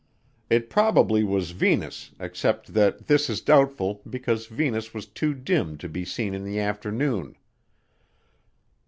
It probably was Venus except that this is doubtful because Venus was too dim to be seen in the afternoon.